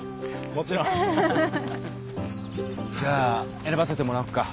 もちろん！じゃあ選ばせてもらおっか。